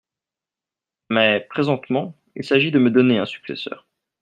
Mais, présentement, il s’agit de me donner un successeur…